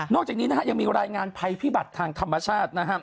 จากนี้นะฮะยังมีรายงานภัยพิบัติทางธรรมชาตินะครับ